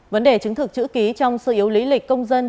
vấn đề chứng thực chữ ký trong số yếu lý lịch công dân